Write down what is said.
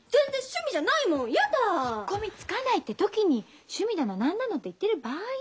引っ込みつかないって時に趣味だの何だのって言ってる場合？